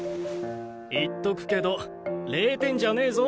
言っとくけど０点じゃねぇぞ。